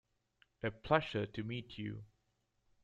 A pleasure to meet you.